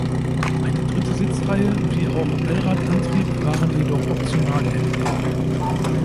Eine dritte Sitzreihe wie auch Allradantrieb waren jedoch optional erhältlich.